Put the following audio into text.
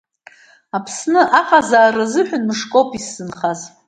Аԥсны аҟазаара азыҳәан мышкоуп исзынхаз.